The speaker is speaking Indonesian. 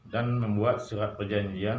dan membuat surat perjanjian